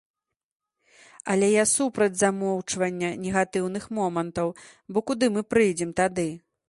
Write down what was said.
Але я супраць замоўчвання негатыўных момантаў, бо куды мы прыйдзем тады?